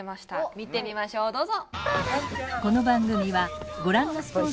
見てみましょうどうぞ！